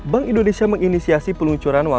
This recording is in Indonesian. bank indonesia menginisiasi peluncuran